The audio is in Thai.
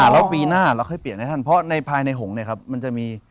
แล้วปีหน้าเราค่อยเปลี่ยนให้ท่านเพราะในภายในหงษ์มันจะมี